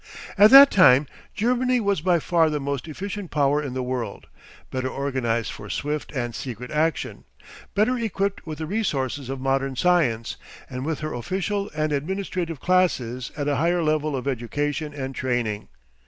At that time Germany was by far the most efficient power in the world, better organised for swift and secret action, better equipped with the resources of modern science, and with her official and administrative classes at a higher level of education and training.